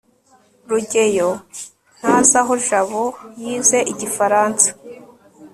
rugeyo ntazi aho jabo yize igifaransa